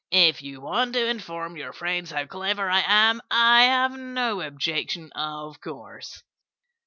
"If you want to inform your friends how clever I am, I have no objection, of course."